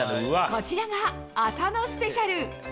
こちらが浅野スペシャル。